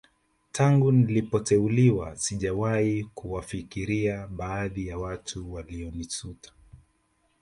Tangu nilipoteuliwa sijawahi kuwafikiria baadhi ya watu walionisuta